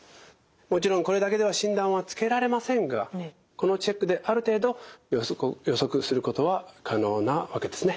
もちろんこれだけでは診断はつけられませんがこのチェックである程度予測することは可能なわけですね。